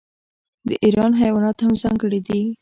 د ایران حیوانات هم ځانګړي دي.